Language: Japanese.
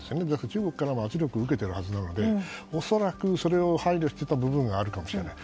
中国からの圧力を受けているはずなので恐らく、それを配慮してた部分があるかもしれない。